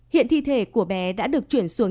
hiện thi thể của bé đã được chuyển xuống